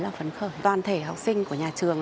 là phấn khởi toàn thể học sinh của nhà trường